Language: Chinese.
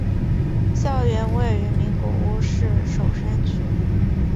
校园位于名古屋市守山区。